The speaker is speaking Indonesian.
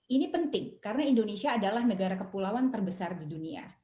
ini penting karena indonesia adalah negara kepulauan terbesar di dunia